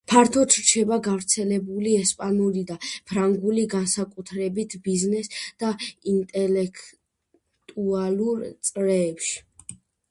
ფართოდ რჩება გავრცელებული ესპანური და ფრანგული, განსაკუთრებით ბიზნეს და ინტელექტუალურ წრეებში.